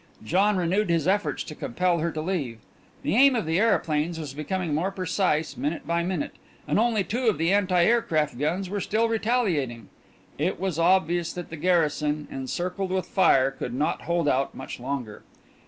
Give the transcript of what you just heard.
John renewed his efforts to compel her to leave. The aim of the aeroplanes was becoming more precise minute by minute, and only two of the anti aircraft guns were still retaliating. It was obvious that the garrison, encircled with fire, could not hold out much longer.